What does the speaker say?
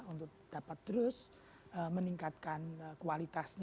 untuk dapat terus meningkatkan kualitas